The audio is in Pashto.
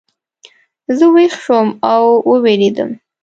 زه ویښ شوم او ووېرېدم.